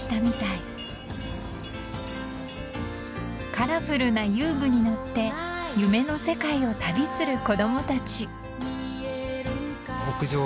［カラフルな遊具に乗って夢の世界を旅する子供たち］